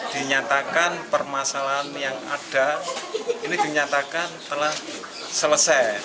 dinyatakan permasalahan yang ada ini dinyatakan telah selesai